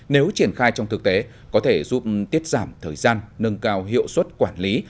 nếu triển khai trong thực tế có thể giúp tiết giảm thời gian nâng cao hiệu suất quản lý